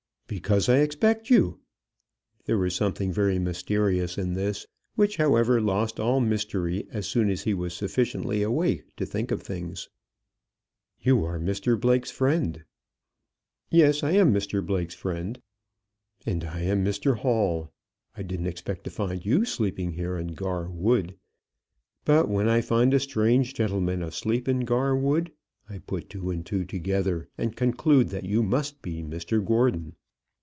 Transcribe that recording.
"Because I expect you." There was something very mysterious in this, which, however, lost all mystery as soon as he was sufficiently awake to think of things. "You are Mr Blake's friend." "Yes; I am Mr Blake's friend." "And I am Mr Hall. I didn't expect to find you sleeping here in Gar Wood. But when I find a strange gentleman asleep in Gar Wood, I put two and two together, and conclude that you must be Mr Gordon."